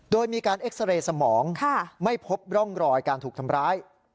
โดยมีการเอ็กซาเรย์สมองไม่พบร่องรอยการถูกทำร้าย